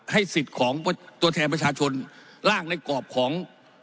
สิทธิ์ของตัวแทนประชาชนร่างในกรอบของ